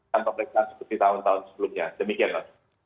tanpa perekatan seperti tahun tahun sebelumnya demikian pak